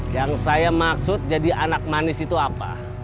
yang saya maksud jadi anak manis itu apa